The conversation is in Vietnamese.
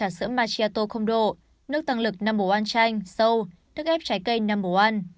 trà sữa macchiato không độ nước tăng lực no một chanh sâu nước ép trái cây no một